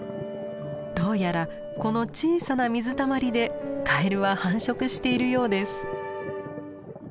どうやらこの小さな水たまりでカエルは繁殖しているようです。